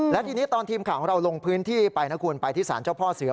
และทีนี้ตอนทีมข่าวของเราลงพื้นที่ไปนะคุณไปที่ศาลเจ้าพ่อเสือ